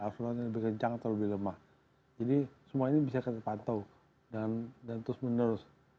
aflow nya lebih kencang atau lebih lemah jadi semua ini bisa kita pantau dan terus menerus